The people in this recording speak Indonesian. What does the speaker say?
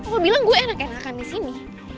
lo bilang gue enak enakan disini